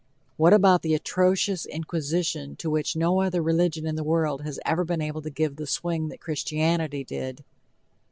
What about the atrocious inquisition to which no other religion in the world had ever been able to give the swing that Christianity did?